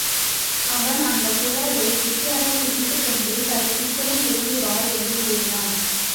அவன் அந்தக் குழாயைக் கெட்டியாகப்பிடித்துக் கொண்டே, சரி, சீக்கிரம் திரும்பி வா! என்று கூறினான்.